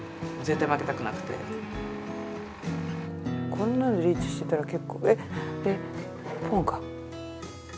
こんなのリーチしてたら結構えっ？えポンか。